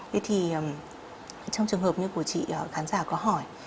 thế thì trong trường hợp như của chị khán giả có hỏi